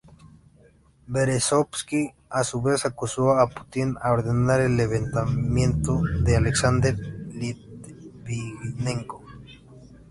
Berezovski a su vez acusó a Putin de ordenar el Envenenamiento de Alexander Litvinenko.